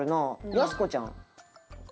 やす子ちゃん？